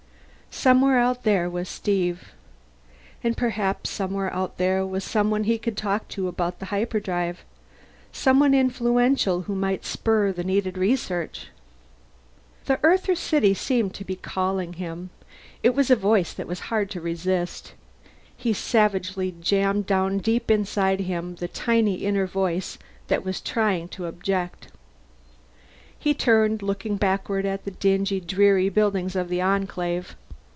Somewhere out there was Steve. And perhaps somewhere out there was someone he could talk to about the hyperdrive, someone influential who might spur the needed research. The Earther city seemed to be calling to him. It was a voice that was hard to resist. He savagely jammed down deep inside him the tiny inner voice that was trying to object. He turned, looking backward at the dingy dreary buildings of the Enclave.